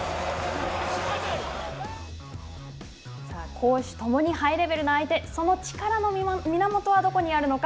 攻守共にハイレベルな相手、その力の源はどこにあるのか。